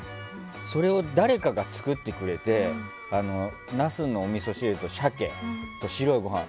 それを誰かが作ってくれてナスのおみそ汁と鮭と白いご飯